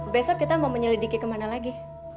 besok kita mau menyelidiki kemana lagi